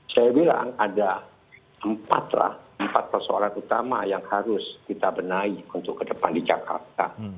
saya bilang ada empat lah empat persoalan utama yang harus kita benahi untuk ke depan di jakarta